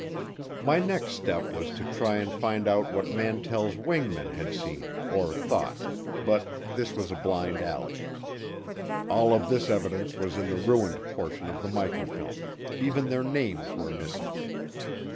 My next step was to try to find out what Mantell's wing men had seen or thought but this was a blind alley. All of this evidence was in the ruined portion of the microfilm, even their names were missing.